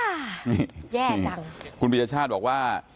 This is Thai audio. ฐานพระพุทธรูปทองคำ